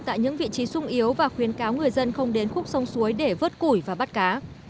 tại những vị trí sung yếu và khuyến cáo người dân không đến khúc sông suối để vớt củi và bắt cá